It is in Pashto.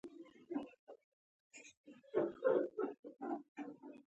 ګیلاس له پتنوس سره یوځای وي.